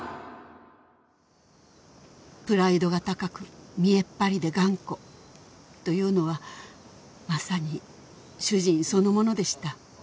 「プライドが高く見栄っ張りで頑固というのはまさに主人そのものでした」